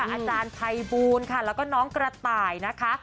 อาจารย์ภัยบูลค่ะแล้วก็น้องกระต่ายนะคะ